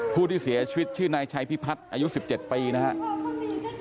ผู้ที่เสียชีวิตชื่อนายชัยพิพัฒน์อายุ๑๗ปีนะครับ